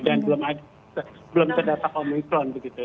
dan belum ada omikron